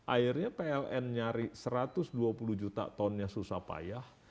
akhirnya pln nyari satu ratus dua puluh juta tonnya susah payah